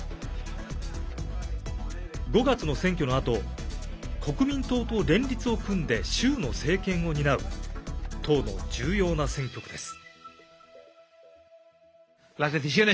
５月の選挙のあと国民党と連立を組んで州の政権を担う党の重要な選挙区です。